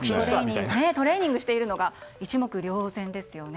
トレーニングしているのが一目瞭然ですよね。